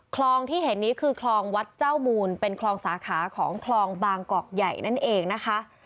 คลองที่เห็นนี้คือคลองวัดเจ้ามูลเป็นคลองสาขาของคลองบางกอกใหญ่นั่นเองนะคะ